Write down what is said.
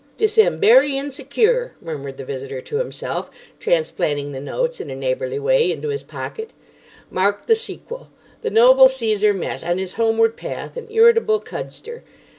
"'Dis am berry insecure,' murmured the visitor to himself, transplanting the notes in a neighbourly way into his pocket. Mark the sequel. The noble Caesar met, on his homeward path, an irritable cudster.